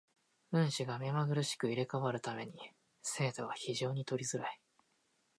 運手が目まぐるしく入れ替わる為に精度が非常に取りづらい。